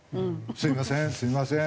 「すみませんすみません」